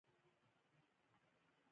پکتیکا د افغانستان په طبیعت کې مهم رول لري.